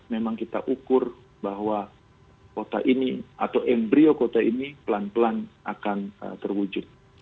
memang kita ukur bahwa kota ini atau embryo kota ini pelan pelan akan terwujud